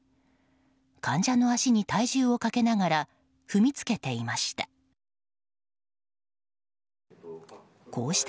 患者の足に体重をかけながら踏みつけていました。